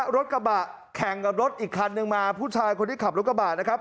รถกระบะแข่งกับรถอีกคันนึงมาผู้ชายคนที่ขับรถกระบะนะครับ